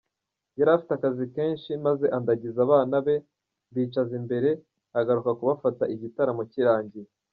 Yari afite akazi kenshi maze andagiza abana be, mbicaza imbere, agaruka kubafata igitaramo kirangiye.